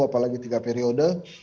apalagi tiga periode